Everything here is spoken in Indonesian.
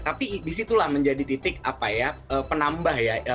tapi di situlah menjadi titik apa ya penambah ya